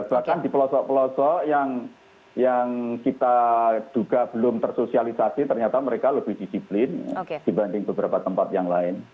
bahkan di pelosok pelosok yang kita duga belum tersosialisasi ternyata mereka lebih disiplin dibanding beberapa tempat yang lain